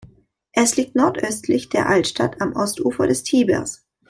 Es liegt nordöstlich der Altstadt am Ostufer des Tibers.